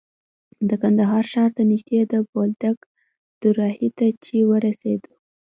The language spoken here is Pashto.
د کندهار ښار ته نژدې د بولدک دوراهي ته چې ورسېدو.